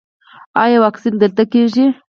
ایا واکسین دلته کیږي؟